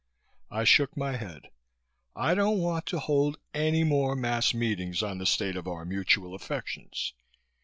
I shook my head. "I don't want to hold any more mass meetings on the state of our mutual affections.